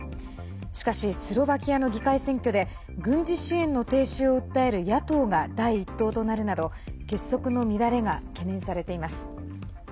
しかしスロバキアの議会選挙で軍事支援の停止を訴える野党が第１党となるなど結束の乱れが懸念されています。